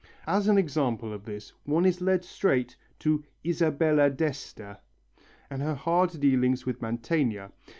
As an example of this, one is led straight to Isabella d'Este and her hard dealings with Mantegna.